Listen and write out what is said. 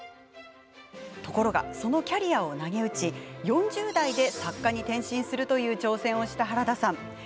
ところがそのキャリアをなげうち４０代で作家に転身するという挑戦をした原田さん。